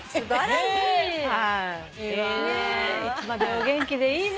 いつまでもお元気でいいね。何より。